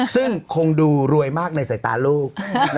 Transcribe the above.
ซึ่งคงดูรวยมากในสายตาลูก